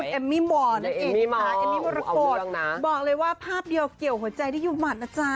แล้วนะคุณเอมมี่มอนเอมมี่มรกฏบอกเลยว่าภาพเดียวเกี่ยวหัวใจที่อยู่หวัดนะจ๊ะ